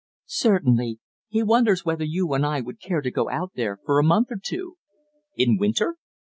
"Certainly. He wonders whether you and I would care to go out there for a month or two?" "In winter?"